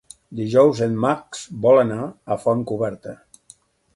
Dijous en Max vol anar a Fontcoberta.